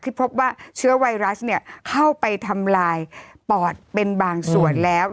พบว่าเชื้อไวรัสเข้าไปทำลายปอดเป็นบางส่วนแล้ว